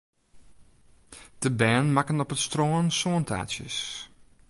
De bern makken op it strân sântaartsjes.